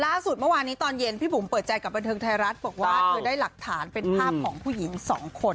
ล่าสุดเมื่อวานนี้ตอนเย็นพี่บุ๋มเปิดใจกับบันเทิงไทยรัฐบอกว่าเธอได้หลักฐานเป็นภาพของผู้หญิงสองคน